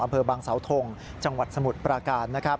อำเภอบางสาวทงจังหวัดสมุทรปราการนะครับ